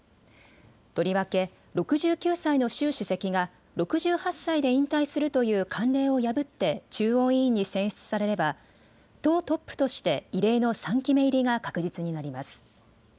とりわけ６９歳の習主席が６８歳で引退するという慣例を破って、中央委員に選出されれば党トップとして異例の３期目入りが確実になります。